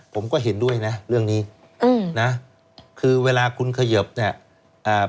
ผมก็เห็นด้วยนะเรื่องนี้อืมนะคือเวลาคุณเขยิบเนี้ยอ่า